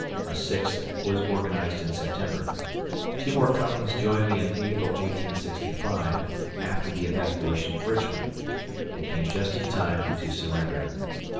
A sixth was organized in September. Two more companies joined me in April, 1865, after the evacuation of Richmond. They came just in time to surrender.